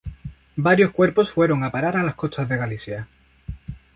Varios cuerpos fueron a parar a las costas de Galicia.